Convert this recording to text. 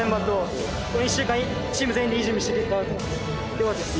多分よかったです。